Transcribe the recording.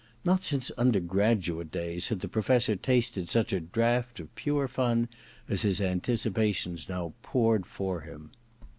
Not since undergraduate days had the Professor tasted such a draught of pure fun as his anticipations now poured for him.